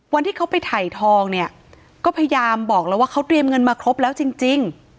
วันที่เขาไปถ่ายทองเนี่ยก็พยายามบอกแล้วว่าเขาเตรียมเงินมาครบแล้วจริง